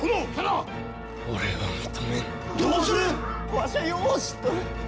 わしはよう知っとる！